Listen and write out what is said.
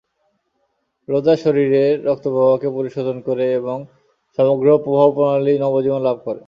রোজা শরীরের রক্তপ্রবাহকে পরিশোধন করে এবং সমগ্র প্রবাহপ্রণালি নবজীবন লাভ করে।